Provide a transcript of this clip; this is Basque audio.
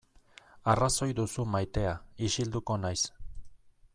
Arrazoi duzu maitea, isilduko naiz.